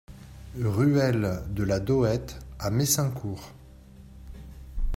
Ruelle de la Dohette à Messincourt